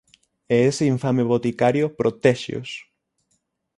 E ese infame boticario protéxeos!